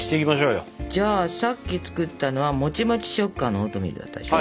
じゃあさっき作ったのはもちもち食感のオートミールだったでしょ？